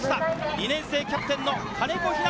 ２年生キャプテンの金子陽向。